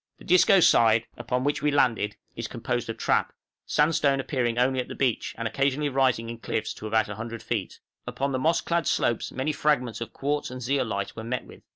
The Disco side, upon which we landed, is composed of trap, sandstone appearing only at the beach, and occasionally rising in cliffs to about 100 feet. Upon the moss clad slopes many fragments of quartz and zeolite were met with.